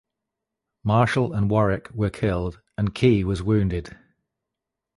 Marshall and Warwick were killed and Key was wounded.